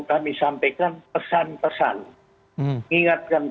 kami sampaikan pesan pesan